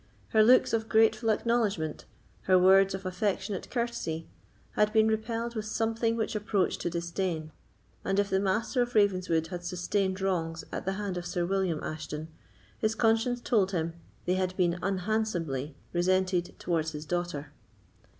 Her looks of grateful acknowledgment, her words of affectionate courtesy, had been repelled with something which approached to disdain; and if the Master of Ravenswood had sustained wrongs at the hand of Sir William Ashton, his conscience told him they had been unhandsomely resented towards his daughter.